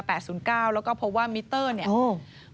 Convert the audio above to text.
แล้วก็เพราะว่ามิเตอร์นี่